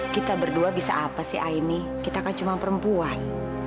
kita berdua bisa apa sih aini kita kan cuma perempuan